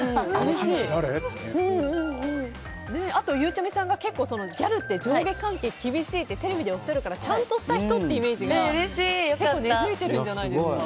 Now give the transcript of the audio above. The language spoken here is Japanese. あとはゆうちゃみさんがギャルって上下関係が厳しいってテレビでおっしゃるからちゃんとした人っていうイメージが根付いてるんじゃないですか。